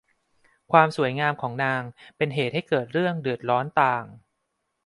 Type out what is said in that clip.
ความสวยงามของนางเป็นเหตุให้เกิดเรื่องเดือดร้อนต่าง